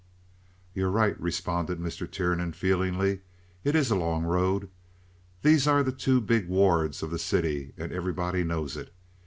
"You're right," responded Mr. Tiernan, feelingly. "It is a long road. These are the two big wards of the city, and everybody knows it.